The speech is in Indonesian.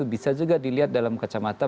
bisa juga dilihat dalam kacamata